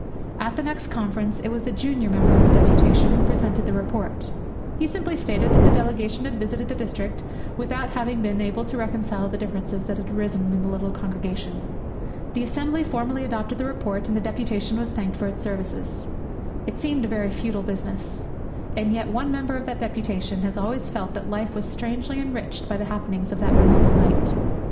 At the next Conference it was the junior member of the deputation who presented the report. He simply stated that the delegation had visited the district without having been able to reconcile the differences that had arisen in the little congregation. The Assembly formally adopted the report, and the deputation was thanked for its services. It seemed a very futile business. And yet one member of that deputation has always felt that life was strangely enriched by the happenings of that memorable night.